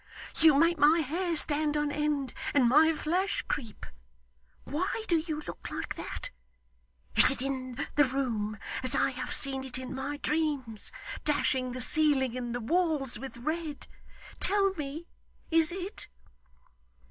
You make my hair stand on end, and my flesh creep. Why do you look like that? Is it in the room as I have seen it in my dreams, dashing the ceiling and the walls with red? Tell me. Is it?